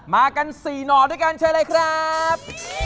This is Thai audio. มากัน๔หน่อด้วยกันเชิญเลยครับ